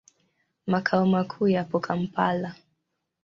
Makao makuu yapo Kampala.